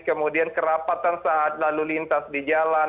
kemudian kerapatan saat lalu lintas di jalan